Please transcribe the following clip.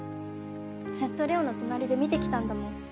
ずっとれおの隣で見てきたんだもん